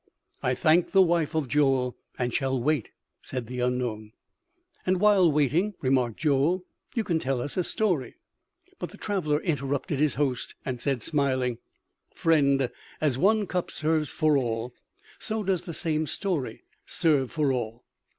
"I thank the wife of Joel, and shall wait," said the unknown. "And while waiting," remarked Joel, "you can tell us a story " But the traveler interrupted his host and said smiling: "Friend, as one cup serves for all, so does the same story serve for all....